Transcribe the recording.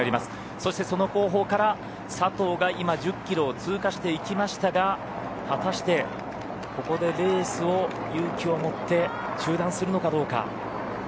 そしてその後方から佐藤が今１０キロを通過していきましたが果たしてここでレースを勇気を持って中断するのかどうか。